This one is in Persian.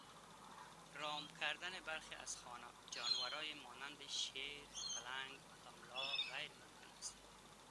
رام کردن برخی از جانوران مانند شیر و پلنگ عملا غیر ممکن است.